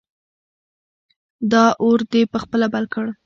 دا اور دې په خپله بل کړ!